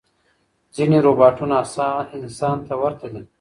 ځینې روباټونه انسان ته ورته دي.